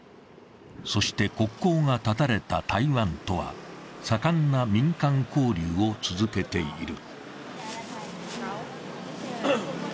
そして国交が断たれた台湾とは盛んな民間交流を続けている。